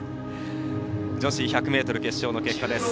女子１００ｍ決勝の結果です。